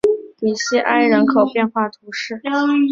比西埃人口变化图示